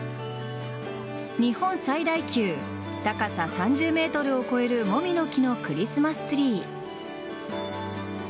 日本最大級高さ３０ｍを超えるモミの木のクリスマスツリー。